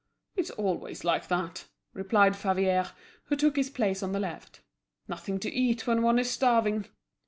"It's always like that," replied Favier, who took his place on the left. "Nothing to eat when one is starving."